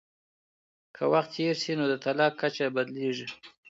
که وخت تېر سي نو د طلاق کچه بدلیږي.